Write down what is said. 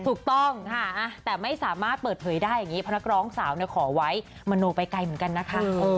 ถูกต้องค่ะแต่ไม่สามารถเปิดเผยได้อย่างนี้เพราะนักร้องสาวขอไว้มโนไปไกลเหมือนกันนะคะ